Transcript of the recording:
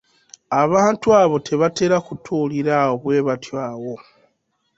Abantu abo tebatera kutuulira awo. bwe batyo awo.